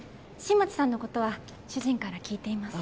新町さんのことは主人から聞いています